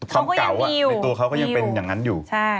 ความเก่าในตัวเขาก็ยังเป็นอย่างนั้นอยู่